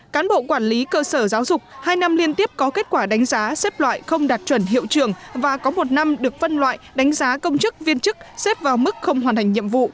cán bộ quản lý cơ sở giáo dục hai năm liên tiếp có kết quả đánh giá xếp loại không đạt chuẩn hiệu trường và có một năm được phân loại đánh giá công chức viên chức xếp vào mức không hoàn thành nhiệm vụ